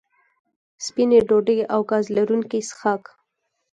سپینې ډوډۍ او ګاز لرونکي څښاک